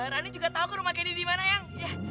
rani juga tahu rumah kendi di mana eang